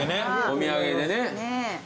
お土産でね。ねぇ。